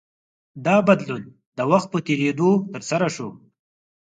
دا بدلون د وخت په تېرېدو ترسره شو.